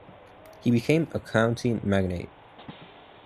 He became a county magnate.